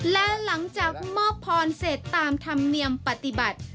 และหลังจากมอบพรเสร็จตามธรรมเนียมปฏิบัติ